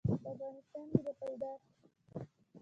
په افغانستان کې به پيدا ش؟